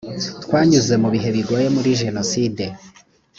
twanyuze mu bihe bigoye muri jenoside